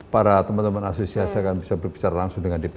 para teman teman asosiasi akan bisa berbicara langsung dengan dpr